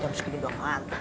terus gini banget